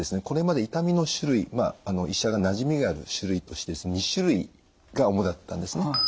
これまで痛みの種類医者がなじみがある種類として２種類が主だったんですね。